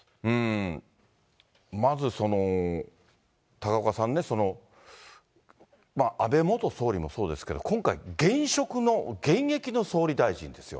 まずその高岡さんね、安倍元総理もそうですけど、今回、現職の、現役の総理大臣ですよ。